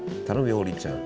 王林ちゃん